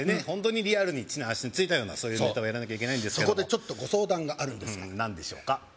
ホントにリアルに地に足がついたようなそういうネタをやらなきゃいけないそうそこでご相談があるんですが何でしょうか？